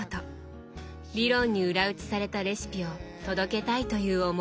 理論に裏打ちされたレシピを届けたいという思いです。